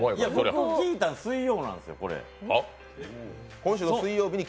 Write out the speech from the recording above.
僕、聞いたのが水曜なんですよ。